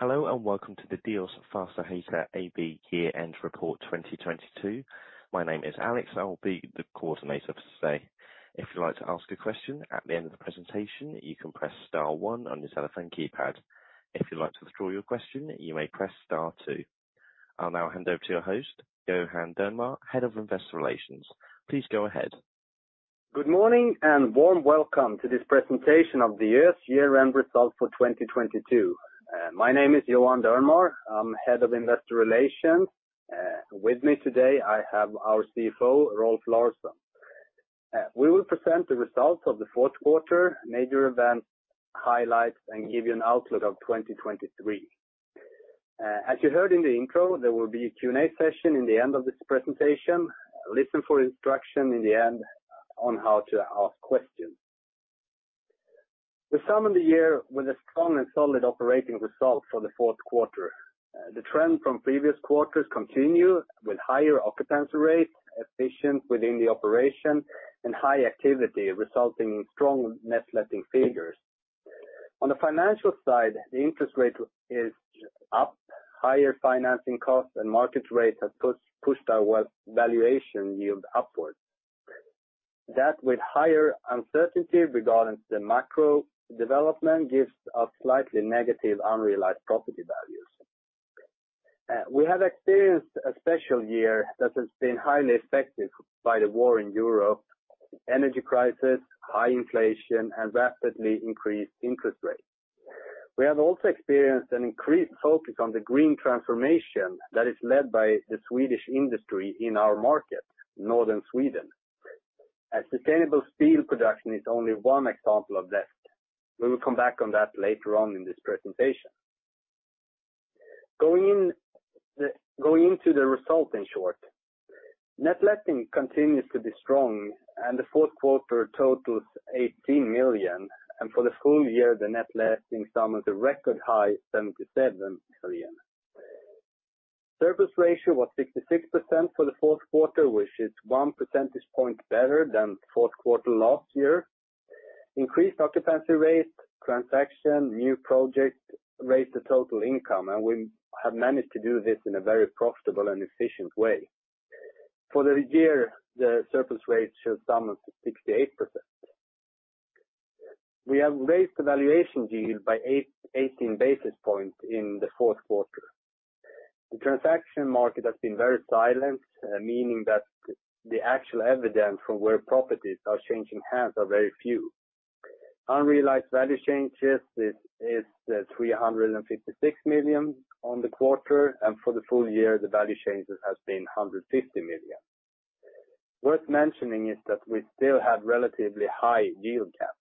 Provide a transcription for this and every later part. Hello and welcome to the Diös Fastigheter AB year-end report 2022. My name is Alex. I'll be the coordinator for today. If you'd like to ask a question at the end of the presentation, you can press star one on your telephone keypad. If you'd like to withdraw your question, you may press star two. I'll now hand over to your host, Johan Dernmar, Head of Investor Relations. Please go ahead. Good morning and warm welcome to this presentation of the year's year-end results for 2022. My name is Johan Dernmar. I'm head of investor relations. With me today, I have our CFO, Rolf Larsson. We will present the results of the fourth quarter major event highlights and give you an outlook of 2023. As you heard in the intro, there will be a Q&A session in the end of this presentation. Listen for instruction in the end on how to ask questions. We summon the year with a strong and solid operating result for the fourth quarter. The trend from previous quarters continue with higher occupancy rate, efficient within the operation, and high activity resulting in strong net letting figures. On the financial side, the interest rate is up. Higher financing costs and market rate has pushed our valuation yield upwards. That with higher uncertainty regarding the macro development gives a slightly negative unrealized property values. We have experienced a special year that has been highly affected by the war in Europe, energy crisis, high inflation, and rapidly increased interest rates. We have also experienced an increased focus on the green transformation that is led by the Swedish industry in our market, Northern Sweden. A sustainable steel production is only one example of this. We will come back on that later on in this presentation. Going to the result in short, net letting continues to be strong. The fourth quarter totals 18 million. For the full year, the net letting sum of the record high 77 million. Surplus ratio was 66% for the fourth quarter, which is 1 percentage point better than fourth quarter last year. Increased occupancy rates, transaction, new project raised the total income, and we have managed to do this in a very profitable and efficient way. For the year, the surplus rate should sum up to 68%. We have raised the valuation yield by 18 basis points in the fourth quarter. The transaction market has been very silent, meaning that the actual evidence from where properties are changing hands are very few. Unrealized value changes is 356 million on the quarter, and for the full year, the value changes has been 150 million. Worth mentioning is that we still have relatively high yield gap.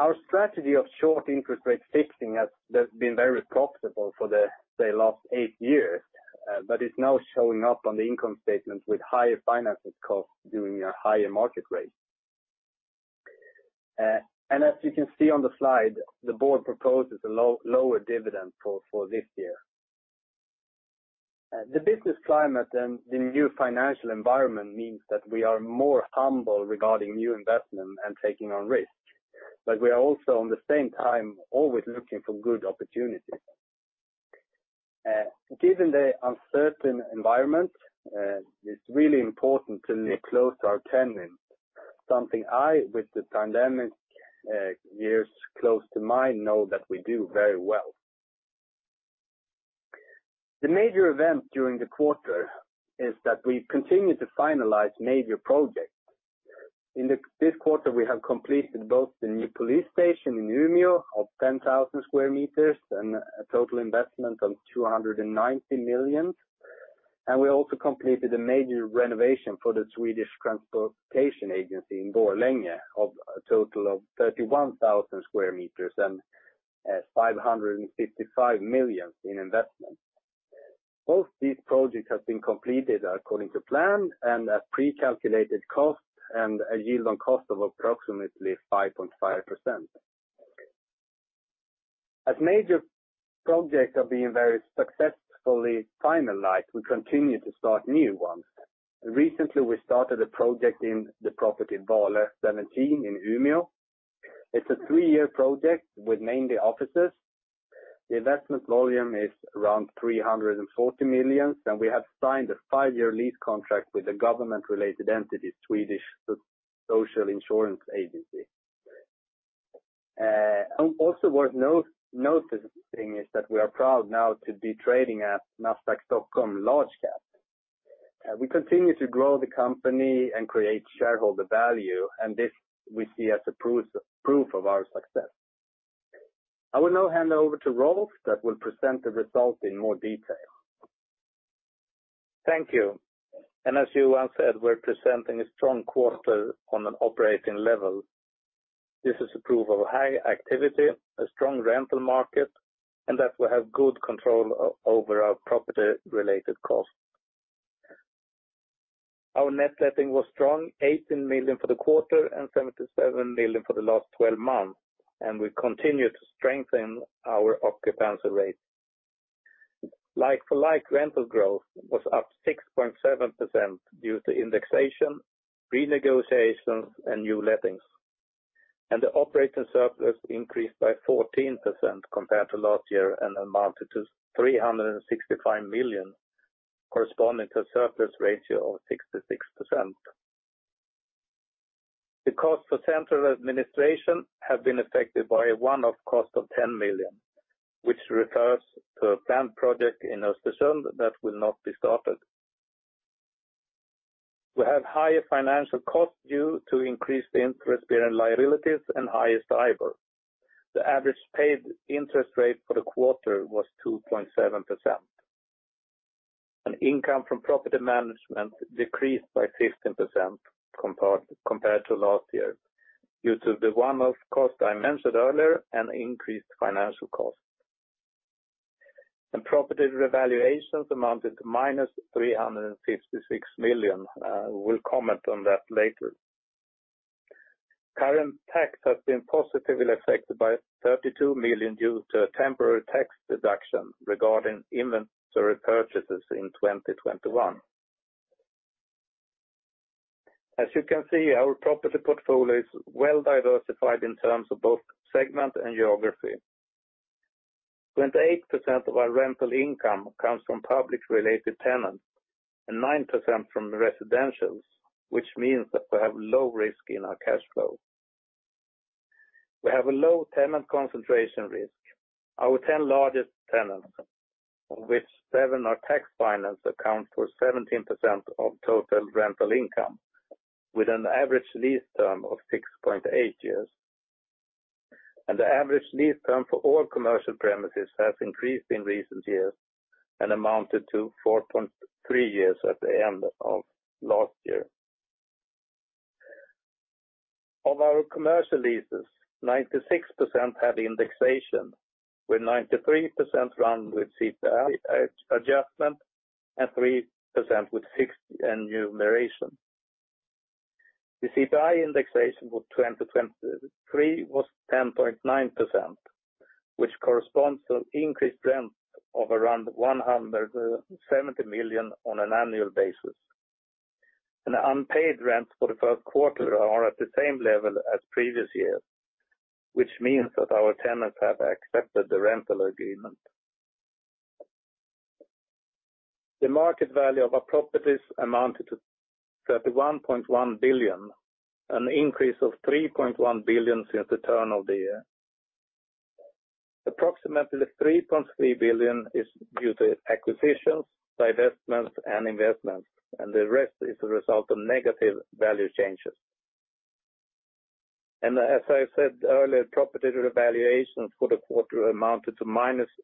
Our strategy of short interest rate fixing has been very profitable for the, say, last eight years, but it's now showing up on the income statement with higher financing costs during a higher market rate. And as you can see on the slide, the board proposes a lower dividend for this year. The business climate and the new financial environment means that we are more humble regarding new investment and taking on risk. We are also, on the same time, always looking for good opportunities. Given the uncertain environment, it's really important to live close to our tenants. Something I, with the pandemic years close to mine, know that we do very well. The major event during the quarter is that we continue to finalize major projects. This quarter, we have completed both the new Police Station in Umeå of 10,000 sq m and a total investment of 290 million. We also completed a major renovation for the Swedish Transport Administration in Borlänge of a total of 31,000 sq m and 555 million in investment. Both these projects have been completed according to plan and at pre-calculated cost and a yield on cost of approximately 5.5%. As major projects are being very successfully finalized, we continue to start new ones. Recently, we started a project in the property Vågen 17 in Umeå. It's a three-year project with mainly offices. The investment volume is around 340 million, and we have signed a five-year lease contract with the government-related entity, Swedish Social Insurance Agency. Also worth noticing is that we are proud now to be trading at Nasdaq Stockholm Large Cap. We continue to grow the company and create shareholder value. This we see as a proof of our success. I will now hand over to Rolf that will present the result in more detail. Thank you. As Johan said, we're presenting a strong quarter on an operating level. This is a proof of high activity, a strong rental market, and that we have good control over our property-related costs. Our net letting was strong, 18 million for the quarter and 77 million for the last 12 months, and we continue to strengthen our occupancy rate. Like-for-like rental growth was up 6.7% due to indexation, renegotiations, and new lettings. The operating surplus increased by 14% compared to last year and amounted to 365 million, corresponding to a surplus ratio of 66%. The cost for central administration have been affected by a one-off cost of 10 million, which refers to a planned project in Östersund that will not be started. We have higher financial costs due to increased interest-bearing liabilities and higher STIBOR. The average paid interest rate for the quarter was 2.7%. Income from property management decreased by 15% compared to last year due to the one-off cost I mentioned earlier and increased financial costs. Property revaluations amounted to -356 million. We'll comment on that later. Current tax has been positively affected by 32 million due to a temporary tax deduction regarding inventory purchases in 2021. As you can see, our property portfolio is well-diversified in terms of both segment and geography. 28% of our rental income comes from public-related tenants and 9% from residentials, which means that we have low risk in our cash flow. We have a low tenant concentration risk. Our 10 largest tenants, of which seven are tax-financed account for 17% of total rental income with an average lease term of 6.8 years. The average lease term for all commercial premises has increased in recent years and amounted to 4.3 years at the end of last year. Of our commercial leases, 96% had indexation, where 93% run with CPI adjustment and 3% with fixed remuneration. The CPI indexation for 2023 was 10.9%, which corresponds to an increased rent of around 170 million on an annual basis. Unpaid rents for the first quarter are at the same level as previous years, which means that our tenants have accepted the rental agreement. The market value of our properties amounted to 31.1 billion, an increase of 3.1 billion since the turn of the year. Approximately 3.3 billion is due to acquisitions, divestments, and investments, and the rest is a result of negative value changes. As I said earlier, property revaluations for the quarter amounted to -356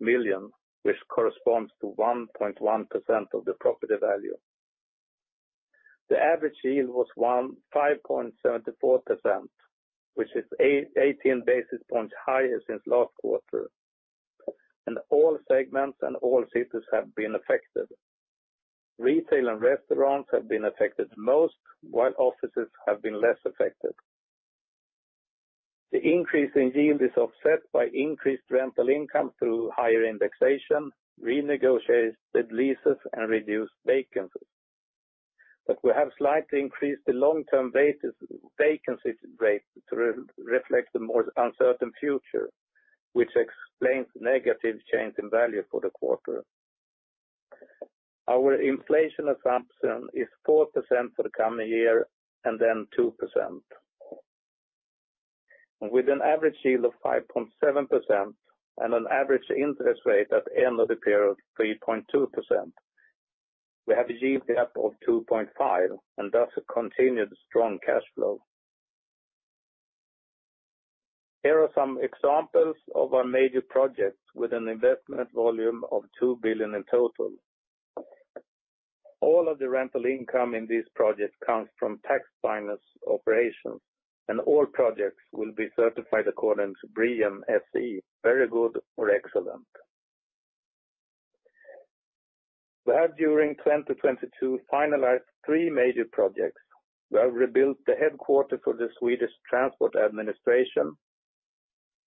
million, which corresponds to 1.1% of the property value. The average yield was 5.74%, which is 18 basis points higher since last quarter. All segments and all cities have been affected. Retail and restaurants have been affected most, while offices have been less affected. The increase in yield is offset by increased rental income through higher indexation, renegotiated leases, and reduced vacancies. We have slightly increased the long-term vacancy rate to reflect the more uncertain future, which explains negative change in value for the quarter. Our inflation assumption is 4% for the coming year and then 2%. With an average yield of 5.7% and an average interest rate at the end of the period of 3.2%, we have a yield gap of 2.5% and thus a continued strong cash flow. Here are some examples of our major projects with an investment volume of 2 billion in total. All of the rental income in this project comes from tax-financed operations, and all projects will be certified according to BREEAM-SE, Very Good or Excellent. We have during 2022 finalized three major projects. We have rebuilt the headquarter for the Swedish Transport Administration.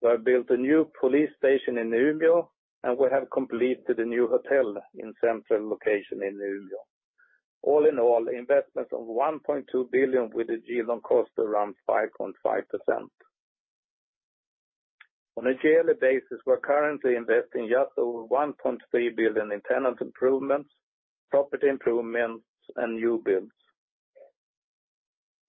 We have built a new police station in Umeå, and we have completed a new hotel in central location in Umeå. All in all, investment of 1.2 billion with a yield on cost around 5.5%. On a yearly basis, we're currently investing just over 1.3 billion in tenant improvements, property improvements, and new builds.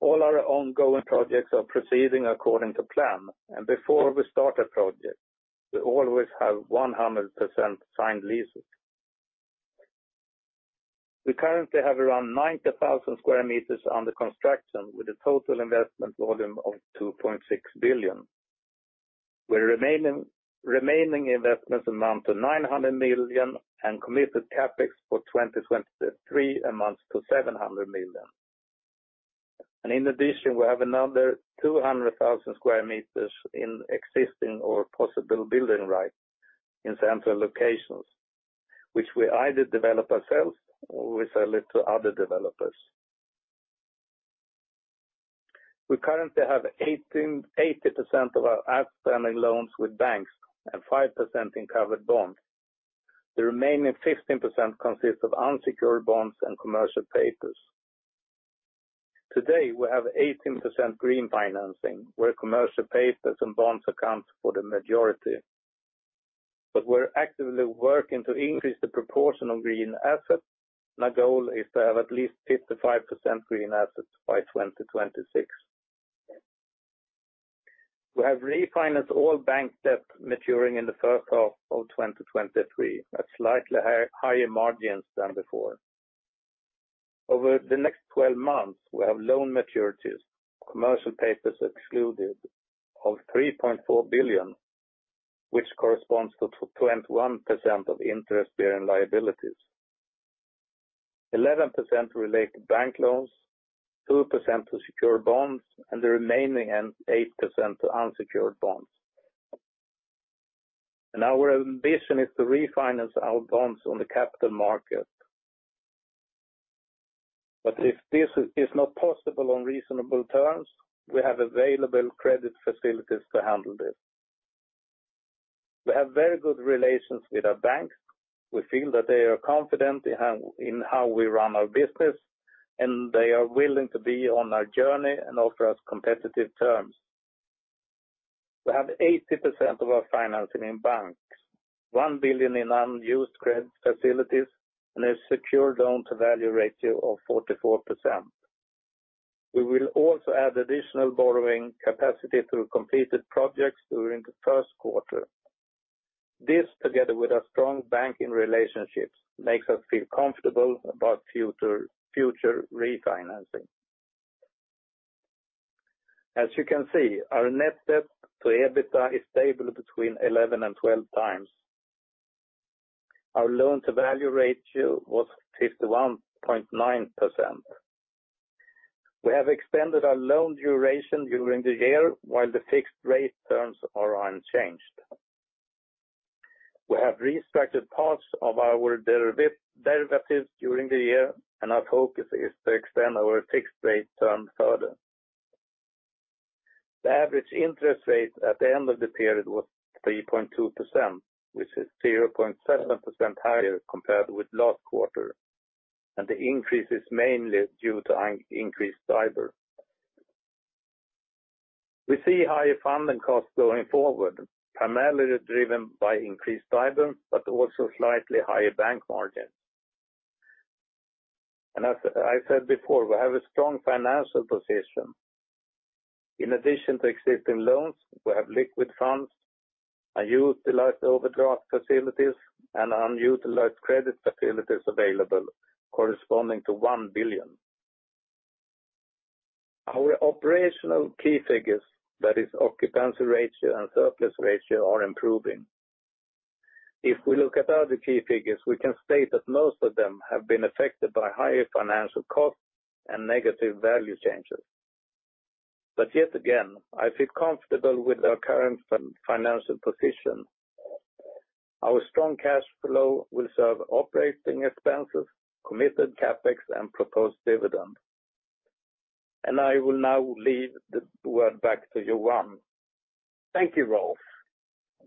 All our ongoing projects are proceeding according to plan, and before we start a project, we always have 100% signed leases. We currently have around 90,000 sq m under construction with a total investment volume of 2.6 billion, where remaining investments amount to 900 million and committed CapEx for 2023 amounts to 700 million. In addition, we have another 200,000 sq m in existing or possible building rights in central locations, which we either develop ourselves or we sell it to other developers. We currently have 80% of our outstanding loans with banks and 5% in covered bonds. The remaining 15% consists of unsecured bonds and commercial papers. Today, we have 18% green financing, where commercial papers and bonds account for the majority. We're actively working to increase the proportion of green assets, and our goal is to have at least 55% green assets by 2026. We have refinanced all bank debt maturing in the first half of 2023 at slightly higher margins than before. Over the next 12 months, we have loan maturities, commercial papers excluded, of 3.4 billion, which corresponds to 21% of interest-bearing liabilities. 11% relate to bank loans, 2% to secure bonds, and the remaining 8% to unsecured bonds. Our ambition is to refinance our bonds on the capital market. If this is not possible on reasonable terms, we have available credit facilities to handle this. We have very good relations with our banks. We feel that they are confident in how we run our business, and they are willing to be on our journey and offer us competitive terms. We have 80% of our financing in banks, 1 billion in unused credit facilities, and a secure loan-to-value ratio of 44%. We will also add additional borrowing capacity through completed projects during the first quarter. This, together with our strong banking relationships, makes us feel comfortable about future refinancing. As you can see, our net debt to EBITDA is stable between 11x and 12x Our loan-to-value ratio was 51.9%. We have extended our loan duration during the year while the fixed rate terms are unchanged. We have restricted parts of our derivatives during the year. Our focus is to extend our fixed rate term further. The average interest rate at the end of the period was 3.2%, which is 0.7% higher compared with last quarter. The increase is mainly due to increased STIBOR. We see higher funding costs going forward, primarily driven by increased STIBOR, but also slightly higher bank margins. As I said before, we have a strong financial position. In addition to existing loans, we have liquid funds, unused utilized overdraft facilities, and unutilized credit facilities available corresponding to 1 billion. Our operational key figures, that is occupancy ratio and surplus ratio, are improving. If we look at other key figures, we can state that most of them have been affected by higher financial costs and negative value changes. Yet again, I feel comfortable with our current financial position. Our strong cash flow will serve operating expenses, committed CapEx, and proposed dividend. I will now leave the word back to Johan. Thank you, Rolf.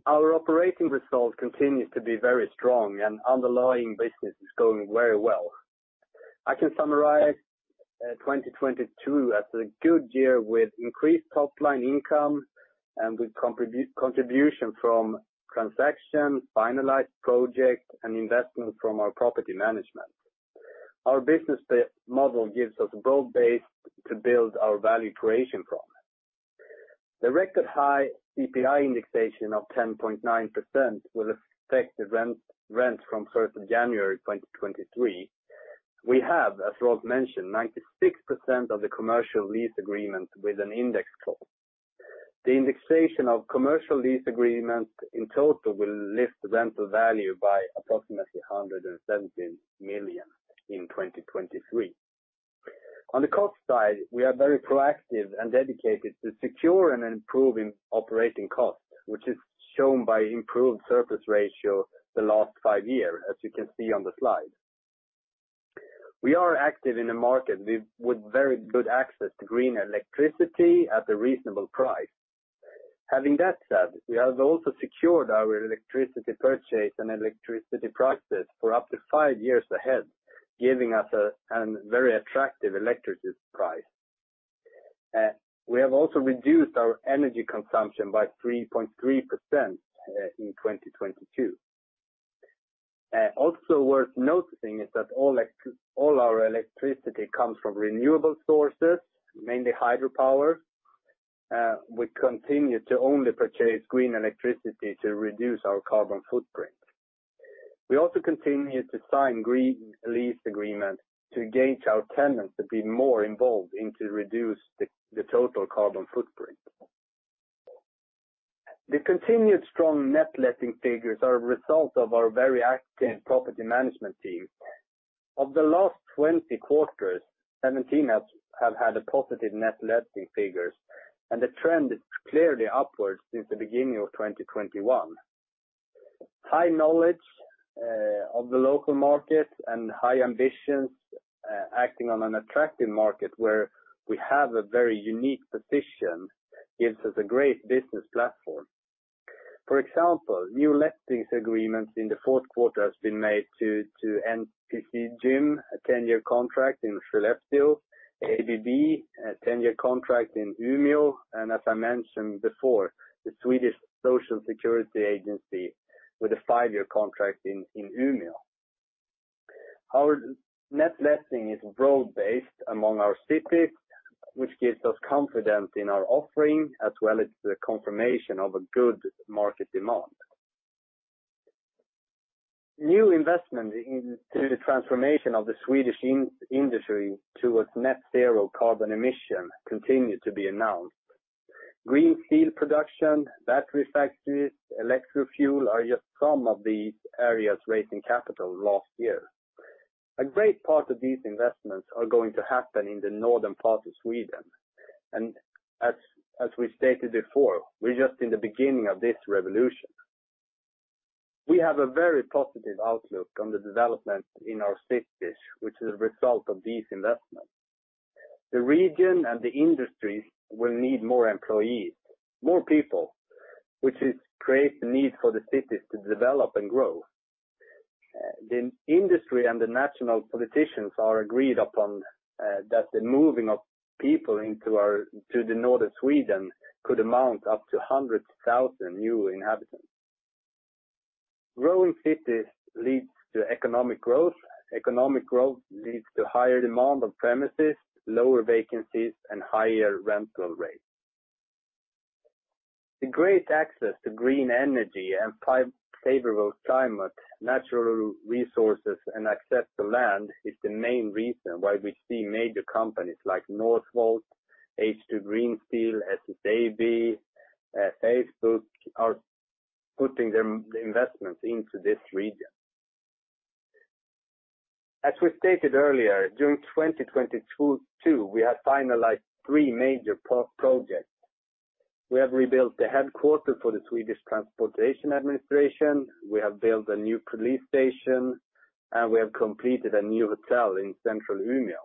Our operating results continue to be very strong and underlying business is going very well. I can summarize 2022 as a good year with increased top-line income and with contribution from transactions, finalized projects, and investment from our property management. Our business model gives us a broad base to build our value creation from. The record-high CPI indexation of 10.9% will affect the rent from January 1, 2023. We have, as Rolf mentioned, 96% of the commercial lease agreement with an index clause. The indexation of commercial lease agreement in total will lift the rental value by approximately 117 million in 2023. On the cost side, we are very proactive and dedicated to secure and improving operating costs, which is shown by improved surplus ratio the last five years, as you can see on the slide. We are active in a market with very good access to green electricity at a reasonable price. Having that said, we have also secured our electricity purchase and electricity prices for up to five years ahead, giving us a very attractive electricity price. We have also reduced our energy consumption by 3.3% in 2022. Also worth noticing is that all our electricity comes from renewable sources, mainly hydropower. We continue to only purchase green electricity to reduce our carbon footprint. We also continue to sign green lease agreement to engage our tenants to be more involved in to reduce the total carbon footprint. The continued strong net letting figures are a result of our very active property management team. Of the last 20 quarters, 17 have had a positive net letting figures. The trend is clearly upwards since the beginning of 2021. High knowledge of the local market and high ambitions, acting on an attractive market where we have a very unique position, gives us a great business platform. For example, new lettings agreements in the fourth quarter has been made to NGC Gym, a 10-year contract in Skellefteå, ABB, a 10-year contract in Umeå, and as I mentioned before, the Swedish Social Insurance Agency with a five-year contract in Umeå. Our net letting is broad-based among our cities, which gives us confidence in our offering, as well as the confirmation of a good market demand. New investment into the transformation of the Swedish industry towards net zero carbon emission continue to be announced. Green Steel production, battery factories, electro fuel are just some of the areas raising capital last year. A great part of these investments are going to happen in the Northern part of Sweden, and as we stated before, we're just in the beginning of this revolution. We have a very positive outlook on the development in our cities, which is a result of these investments. The region and the industries will need more employees, more people, which is create the need for the cities to develop and grow. The industry and the national politicians are agreed upon that the moving of people to the Northern Sweden could amount up to hundreds, thousand new inhabitants. Growing cities leads to economic growth. Economic growth leads to higher demand on premises, lower vacancies, and higher rental rates. The great access to green energy and favorable climate, natural resources, and access to land is the main reason why we see major companies like Northvolt, H2 Green Steel, SSAB, Facebook are putting their investments into this region. As we stated earlier, during 2022, we have finalized three major projects. We have rebuilt the headquarter for the Swedish Transport Administration. We have built a new police station, and we have completed a new hotel in central Umeå.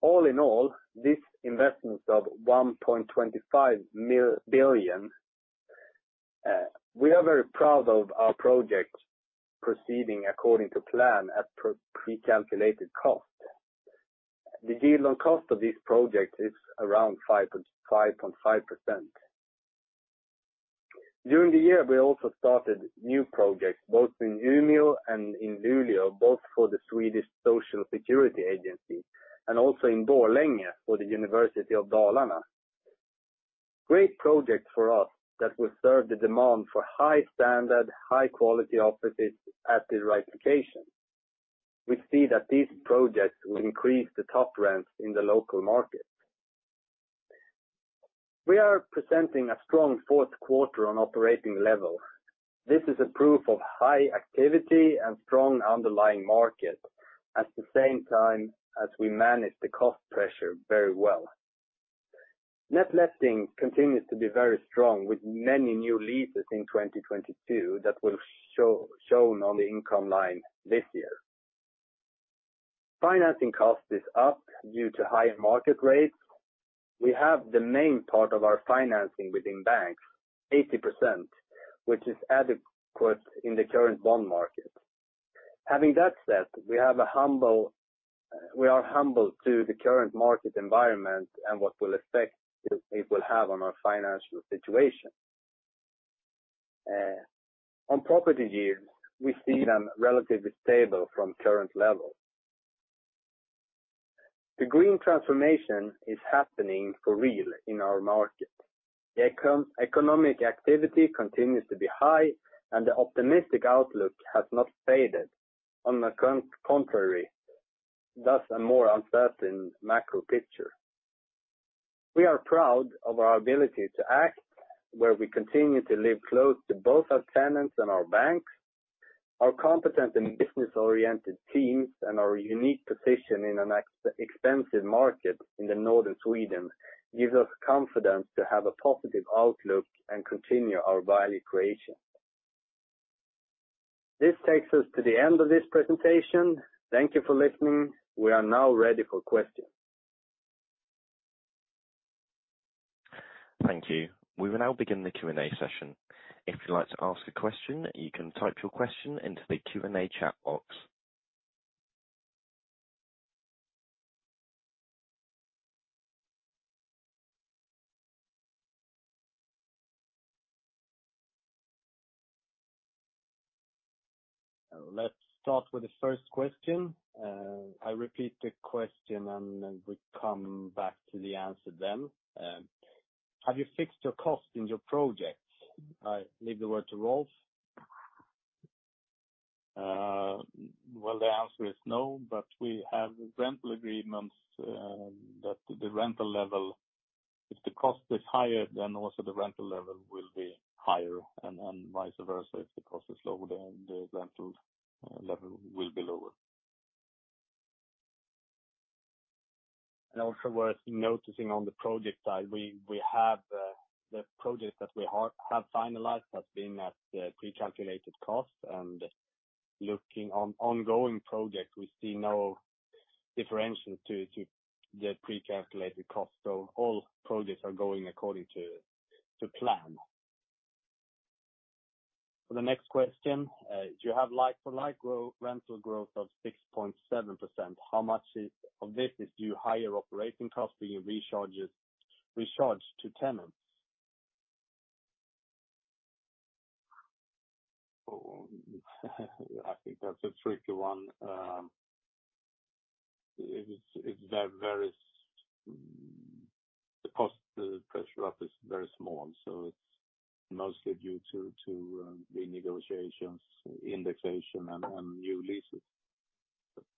All in all, these investments of 1.25 billion, we are very proud of our projects proceeding according to plan at precalculated cost. The yield on cost of this project is around 5.5%. During the year, we also started new projects, both in Umeå and in Luleå, both for the Swedish Social Insurance Agency and also in Borlänge for Dalarna University. Great projects for us that will serve the demand for high standard, high quality offices at the right location. We see that these projects will increase the top rents in the local market. We are presenting a strong fourth quarter on operating level. This is a proof of high activity and strong underlying market at the same time as we manage the cost pressure very well. Net letting continues to be very strong with many new leases in 2022 that will shown on the income line this year. Financing cost is up due to higher market rates. We have the main part of our financing within banks, 80%, which is adequate in the current bond market. Having that said, we have a humble, we are humble to the current market environment and what it will have on our financial situation. On property yields, we see them relatively stable from current levels. The green transformation is happening for real in our market. Eco-economic activity continues to be high, the optimistic outlook has not faded. On the contrary, thus a more uncertain macro picture. We are proud of our ability to act, where we continue to live close to both our tenants and our banks. Our competent and business-oriented teams and our unique position in an extensive market in the northern Sweden gives us confidence to have a positive outlook and continue our value creation. This takes us to the end of this presentation. Thank you for listening. We are now ready for questions. Thank you. We will now begin the Q&A session. If you'd like to ask a question, you can type your question into the Q&A chat box. Let's start with the first question. I repeat the question, and then we come back to the answer then. Have you fixed your cost in your projects? I leave the word to Rolf. Well, the answer is no. We have rental agreements, that the rental level, if the cost is higher, then also the rental level will be higher, and vice versa. If the cost is lower, then the rental level will be lower. Also worth noticing on the project side, we have the project that we have finalized has been at the pre-calculated cost. Looking on ongoing projects, we see no differentiation to the pre-calculated cost. All projects are going according to plan. For the next question, you have like-for-like rental growth of 6.7%. How much of this is due higher operating costs being recharged to tenants? I think that's a tricky one. It varies. The cost pressure up is very small, so it's mostly due to the negotiations, indexation, and new leases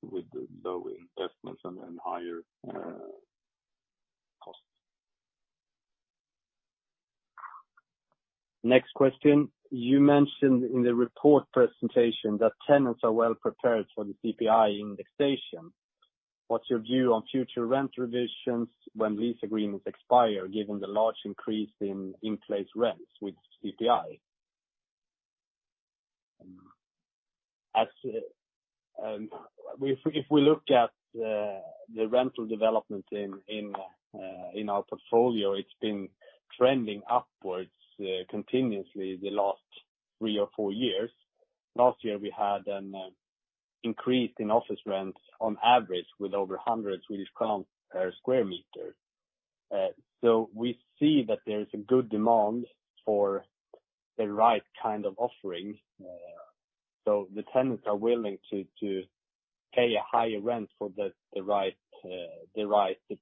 with low investments and higher costs. Next question. You mentioned in the report presentation that tenants are well-prepared for the CPI indexation. What's your view on future rent revisions when lease agreements expire, given the large increase in in-place rents with CPI? If we look at the rental development in our portfolio, it's been trending upwards continuously the last three or four years. Last year, we had an increase in office rents on average with over 100 Swedish crowns per sq m. We see that there is a good demand for the right kind of offering. The tenants are willing to pay a higher rent for the right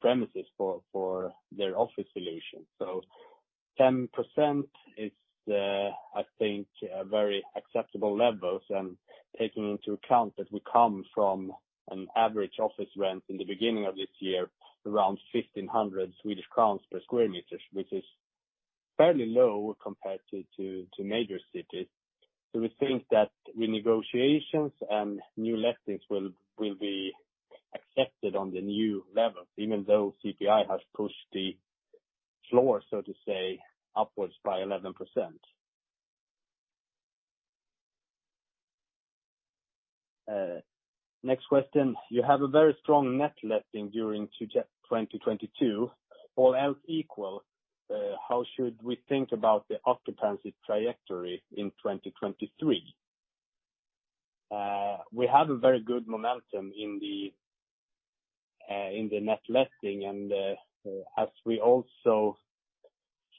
premises for their office solution. 10% is, I think, a very acceptable levels. Taking into account that we come from an average office rent in the beginning of this year, around 1,500 Swedish crowns per sq m, which is fairly low compared to major cities. We think that renegotiations and new lettings will be accepted on the new level, even though CPI has pushed the floor, so to say, upwards by 11%. Next question. You have a very strong net letting during 2022. All else equal, how should we think about the occupancy trajectory in 2023? We have a very good momentum in the net letting. As we also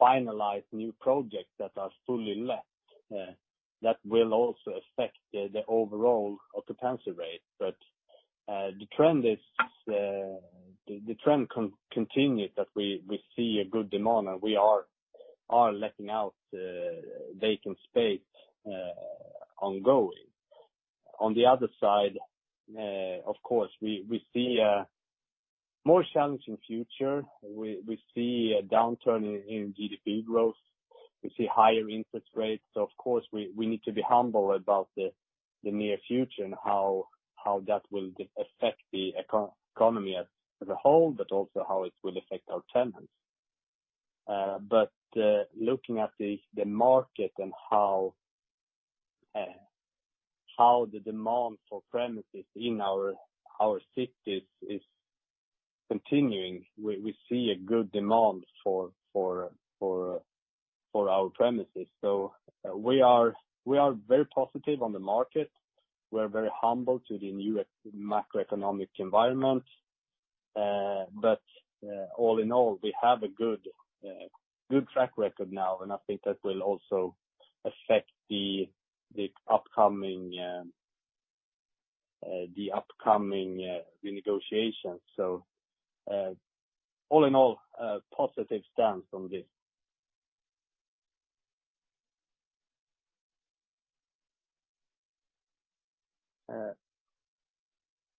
finalize new projects that are fully let, that will also affect the overall occupancy rate. The trend is the trend continue that we see a good demand, and we are letting out vacant space ongoing. On the other side, of course, we see a more challenging future. We see a downturn in GDP growth. We see higher interest rates. Of course, we need to be humble about the near future and how that will affect the economy as a whole, but also how it will affect our tenants. Looking at the market and how the demand for premises in our cities is continuing, we see a good demand for our premises. We are very positive on the market. We're very humble to the new macroeconomic environment. All in all, we have a good track record now. I think that will also affect the upcoming renegotiation. All in all, a positive stance on this.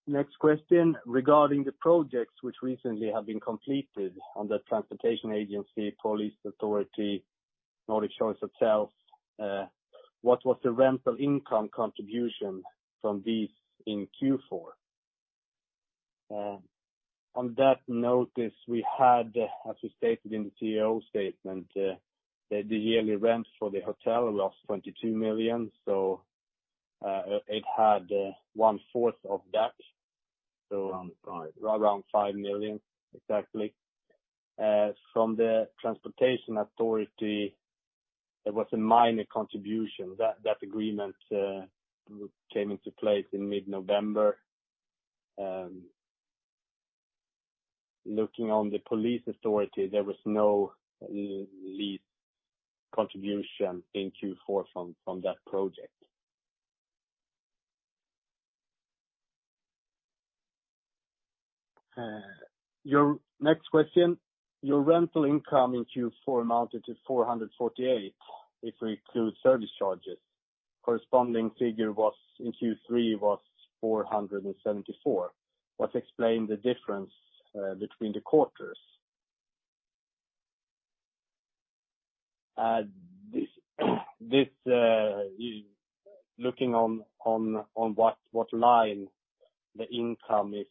Next question. Regarding the projects which recently have been completed on the Swedish Transport Administration, Police Authority, Nordic Choice Hotels, what was the rental income contribution from these in Q4? On that note, we had, as we stated in the CEO statement, the yearly rents for the hotel was 22 million. It had one-fourth of that, so around 5 million exactly. From the Swedish Transport Administration, there was a minor contribution. That agreement came into place in mid-November. Looking on the Police Authority, there was no lease contribution in Q4 from that project. Your next question. Your rental income in Q4 amounted to 448 million if we include service charges. Corresponding figure in Q3 was 474 million. What explain the difference between the quarters? This, looking on what line the income is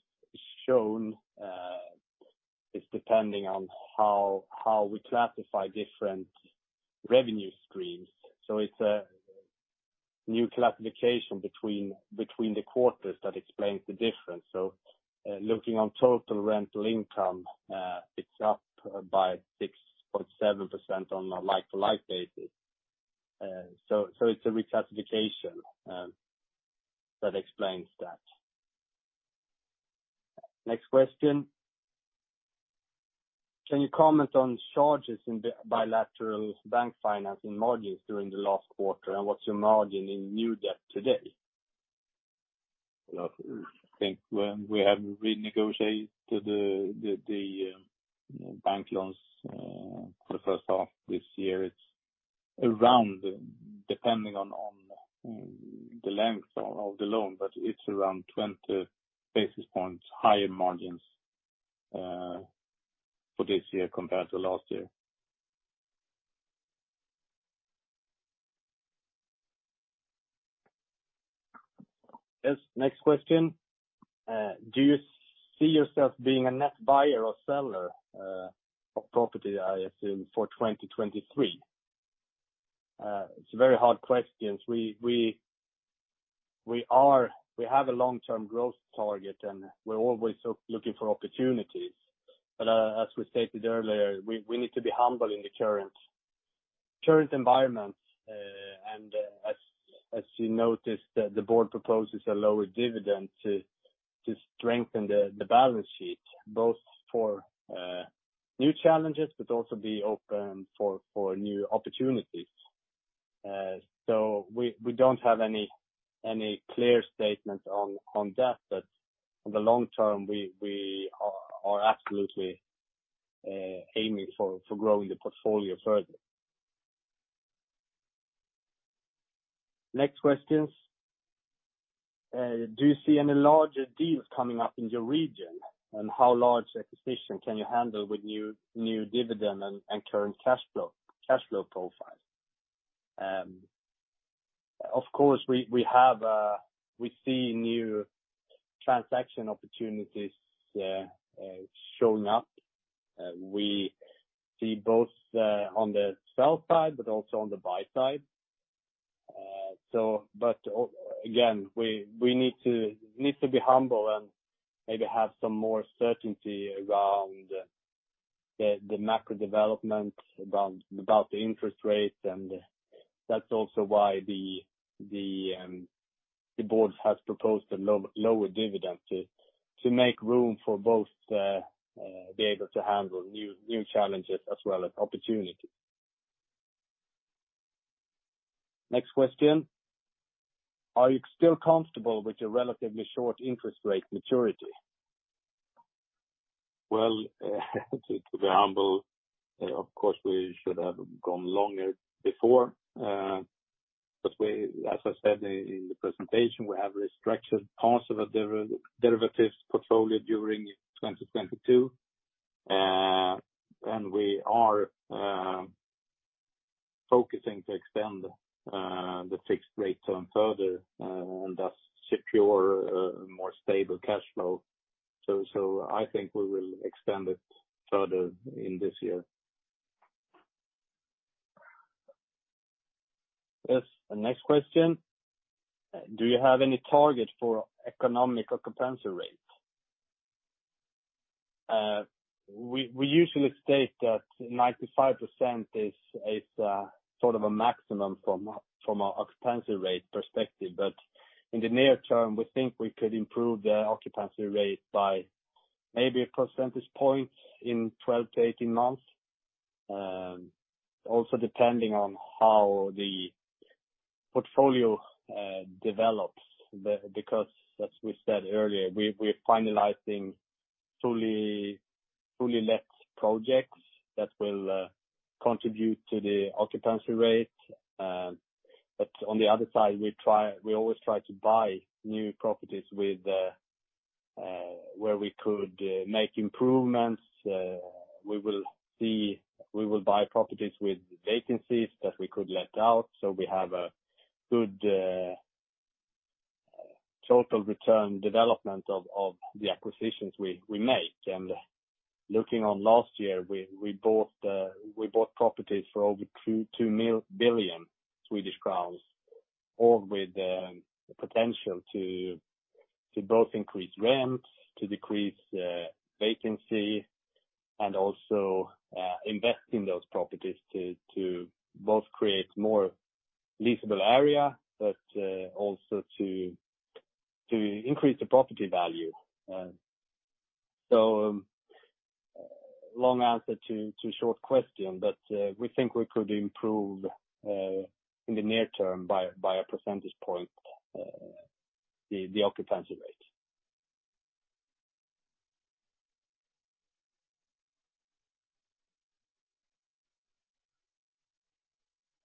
shown, is depending on how we classify different revenue streams. It's a new classification between the quarters that explains the difference. Looking on total rental income, it's up by 6.7% on a like-to-like basis. It's a reclassification that explains that. Next question. Can you comment on charges in bilateral bank financing margins during the last quarter and what's your margin in new debt today? I think when we have renegotiated the bank loans, for the first half this year, it's around, depending on the length of the loan, but it's around 20 basis points higher margins for this year compared to last year. Yes. Next question. Do you see yourself being a net buyer or seller of property, I assume, for 2023? It's a very hard question. We have a long-term growth target, and we're always looking for opportunities. As we stated earlier, we need to be humble in the current environment. And as you noticed, the board proposes a lower dividend to strengthen the balance sheet, both for new challenges, but also be open for new opportunities. We, we don't have any clear statement on that. In the long term, we are absolutely aiming for growing the portfolio further. Next question. Do you see any larger deals coming up in your region? How large acquisition can you handle with new dividend and current cash flow profile? Of course, we have, we see new transaction opportunities showing up. We see both on the sell side, but also on the buy side. Again, we need to be humble and maybe have some more certainty around the macro development about the interest rate. That's also why the board has proposed a lower dividend to make room for both be able to handle new challenges as well as opportunities. Next question. To be humble, of course, we should have gone longer before. As I said in the presentation, we have restructured parts of the derivatives portfolio during 2022. We are focusing to extend the fixed rate term further and thus secure a more stable cash flow. I think we will extend it further in this year. Yes. Next question. Do you have any target for economic occupancy rates? We usually state that 95% is sort of a maximum from a occupancy rate perspective. In the near term, we think we could improve the occupancy rate by maybe a percentage point in 12 to 18 months. Also depending on how the portfolio develops. Because as we said earlier, we're finalizing fully let projects that will contribute to the occupancy rate. On the other side, we always try to buy new properties with the where we could make improvements. We will buy properties with vacancies that we could let out. We have a good total return development of the acquisitions we make. Looking on last year, we bought properties for over 2 billion Swedish crowns, all with the potential to both increase rents, to decrease vacancy, and also invest in those properties to both create more leasable area, but also to increase the property value. Long answer to short question, but we think we could improve in the near term by a percentage point the occupancy rate.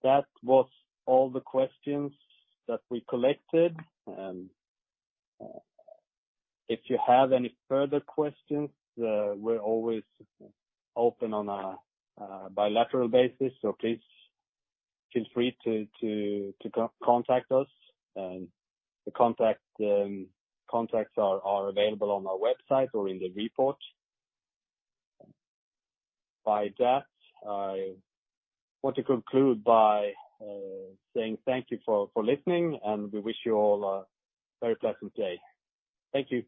That was all the questions that we collected. If you have any further questions, we're always open on a bilateral basis, so please feel free to contact us. The contacts are available on our website or in the report. By that, I want to conclude by saying thank you for listening. We wish you all a very pleasant day. Thank you.